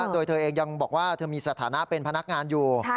โดยเธอเองยังบอกว่าเธอมีสถานะเป็นพนักงานอยู่